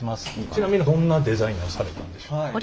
ちなみにどんなデザインをされたんでしょう？